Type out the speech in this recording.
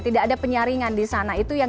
tidak ada penyaringan di sana itu yang